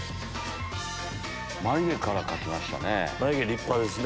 眉毛から描きましたね。